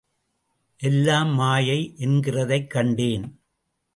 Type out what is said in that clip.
எல்லாம் மாயை என்கிறதைக் கண்டேன்.